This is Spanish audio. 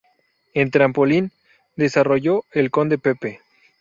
En "Trampolín" desarrolló "El conde Pepe".